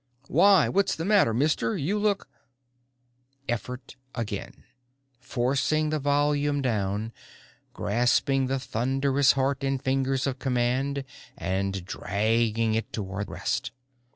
"WHY, WHAT'S THE MATTER, MISTER? YOU LOOK " Effort again, forcing the volume down, grasping the thunderous heart in fingers of command and dragging it toward rest.